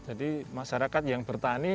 jadi masyarakat yang bertani